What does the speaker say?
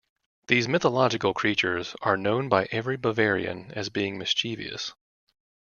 These mythological creatures are known by every Bavarian as being mischievous.